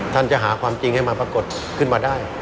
ท่านจะหาความจริงให้มาปรากฏขึ้นมาได้